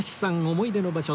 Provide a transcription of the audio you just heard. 思い出の場所